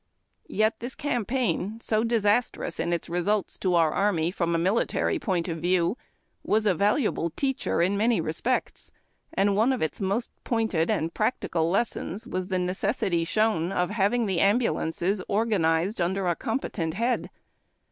Yet this campaign, so disastrous in its results to our army from a military point of vicAV, was a valuable teacher in many respects, and one of its most pointed and practical lessons was the necessity shown of having the ambulances organized and under a competent head.